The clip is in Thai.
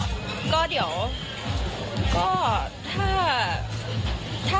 อันนี้นะ